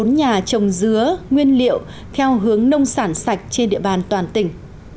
bốn nhà trồng dứa nguyên liệu theo hướng nông sản sạch trên địa bàn toàn tỉnh